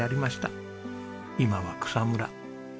今は草むら。